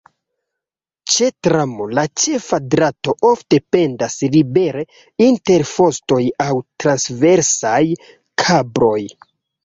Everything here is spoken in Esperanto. Ĉe tramo la ĉefa drato ofte pendas libere inter fostoj aŭ transversaj kabloj.